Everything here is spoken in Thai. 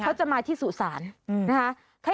เขาจะมาที่สุสานนะคะ